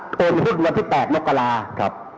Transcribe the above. ทุกครั้งวันที่๘๐๐นกกราค่ะค่ะ